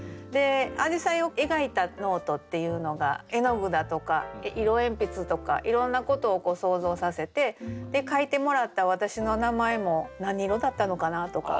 「あじさいを描いたノート」っていうのが絵の具だとか色鉛筆とかいろんなことを想像させて書いてもらった「わたしの名前」も何色だったのかなとか。